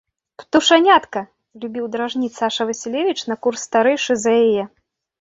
«Птушанятка! »- любіў дражніць Саша Васілевіч, на курс старэйшы за яе.